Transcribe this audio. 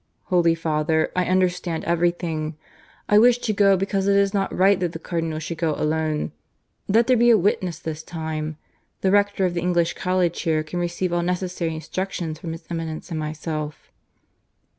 "Holy Father, I understand everything. I wish to go because it is not right that the Cardinal should go alone. Let there be a witness this time. The Rector of the English College here can receive all necessary instructions from His Eminence and myself."